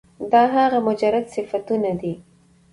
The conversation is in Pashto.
دا هغه مجرد صفتونه دي